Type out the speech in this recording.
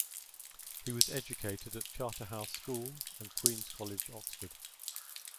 He was educated at Charterhouse School and Queen's College, Oxford.